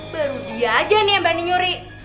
baru dia aja nih yang berani nyuri